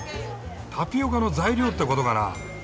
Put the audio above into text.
タピオカの材料ってことかな？